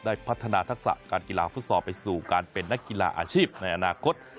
พัฒนาทักษะการกีฬาฟุตซอลไปสู่การเป็นนักกีฬาอาชีพในอนาคต